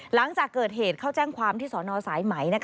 หลังจากเกิดเหตุเข้าแจ้งความที่สนสายไหม